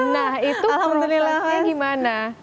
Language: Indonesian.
nah itu prosesnya gimana